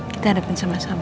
kita hadapin sama sama